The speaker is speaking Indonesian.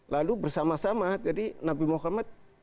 lalu bersama sama jadi nabi muhammad